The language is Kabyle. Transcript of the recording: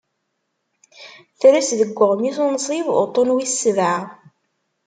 Tres deg uɣmis unsib uṭṭun wis ssebɛa.